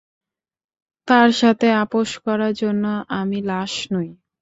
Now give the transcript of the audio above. তার সাথে আপস করার জন্য আমি লাশ নই।